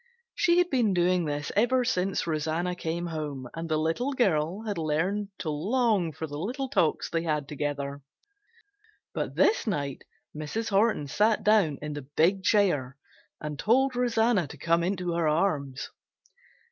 She had been doing this ever since Rosanna came home and the little girl had learned to long for the little talks they had together. But this night Mrs. Horton sat down in the big chair, and told Rosanna to come into her arms.